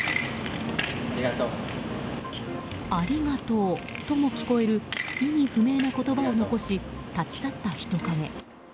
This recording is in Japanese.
ありがとうとも聞こえる意味不明の言葉を残し立ち去った人影。